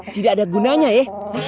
tidak ada gunanya ya